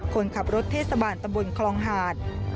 คนขับรถเทศบาลตำบลคลองหาด